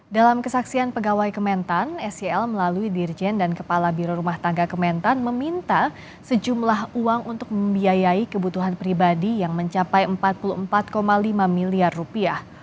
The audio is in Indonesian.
dalam kesaksian pegawai kementan sel melalui dirjen dan kepala biro rumah tangga kementan meminta sejumlah uang untuk membiayai kebutuhan pribadi yang mencapai empat puluh empat lima miliar rupiah